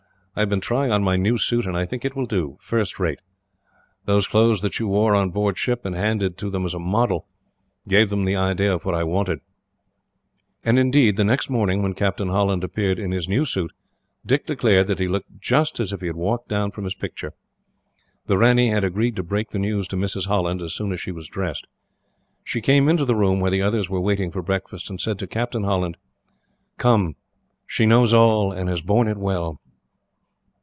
I have been trying on my new suit, and I think it will do, first rate. Those clothes that you wore on board ship, and handed to them as a model, gave them the idea of what I wanted." And indeed, the next morning, when Captain Holland appeared in his new suit, Dick declared that he looked just as if he had walked down from his picture. The ranee had agreed to break the news to Mrs. Holland, as soon as she was dressed. She came into the room where the others were waiting for breakfast, and said to Captain Holland: "Come. She knows all, and has borne it well."